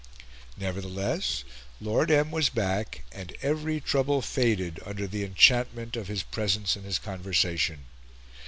Nevertheless, Lord M. was back, and every trouble faded under the enchantment of his presence and his conversation.